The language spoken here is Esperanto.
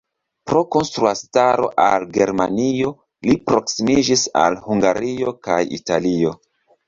Pro kontraŭstaro al Germanio, li proksimiĝis al Hungario kaj Italio.